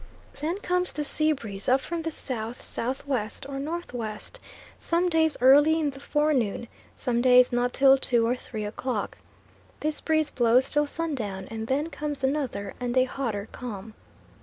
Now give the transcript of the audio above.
Then comes the sea breeze up from the south south west or north west, some days early in the forenoon, some days not till two or three o'clock. This breeze blows till sundown, and then comes another and a hotter calm.